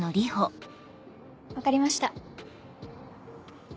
分かりました。